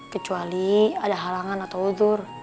kecuali ada halangan atau uzur